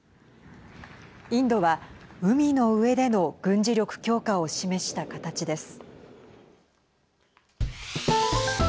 インドは海の上での軍事力強化を示した形です。